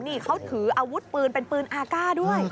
นี่เขาถืออาวุธปืนเป็นปืนอาก้าด้วย